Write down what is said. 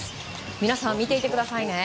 皆さん、見ていてくださいね。